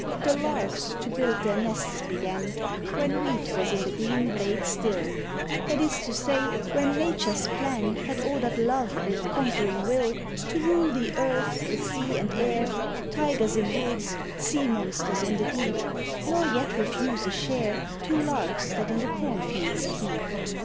The larks to build their nests began, When wheat was in the green blade still That is to say, when Nature's plan Had ordered Love, with conquering will, To rule the earth, the sea, and air, Tigers in woods, sea monsters in the deep; Nor yet refuse a share To larks that in the cornfields keep.